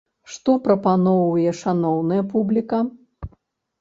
Што прапаноўвае шаноўная публіка?